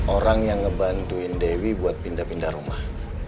orang yang ngebantuin dewi buat pindah pindah rumah